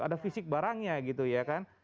ada fisik barangnya gitu ya kan